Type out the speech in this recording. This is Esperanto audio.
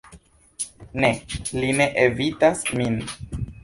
Ne, li ne evitas min.